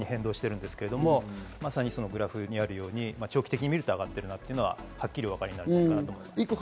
まさにグラフにあるように長期的に見ると上がっているなというのは、はっきりお分かりになると思います。